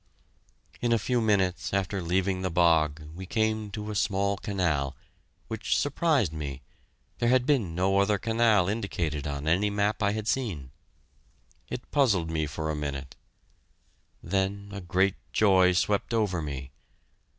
In a few minutes after leaving the bog we came to a small canal, which surprised me there had been no other canal indicated on any map I had seen. It puzzled me for a minute; then a great joy swept over me!